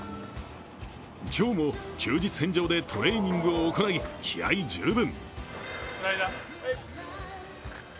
今日も、休日返上でトレーニングを行い、気合い十分。